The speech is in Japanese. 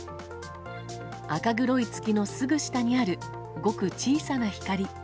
赤黒い月のすぐ下にあるごく小さな光。